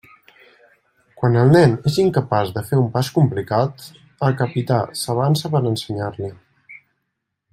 Quan el nen és incapaç de fer un pas complicat, el Capità s'avança per ensenyar-li.